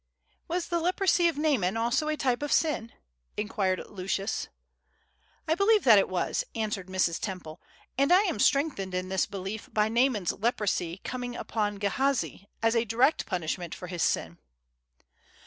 "Was the leprosy of Naaman also a type of sin?" inquired Lucius. "I believe that it was," answered Mrs. Temple, "and I am strengthened in this belief by Naaman's leprosy coming upon Gehazi, as a direct punishment for his sin."